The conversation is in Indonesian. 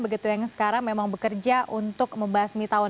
begitu yang sekarang memang bekerja untuk membasmi tahun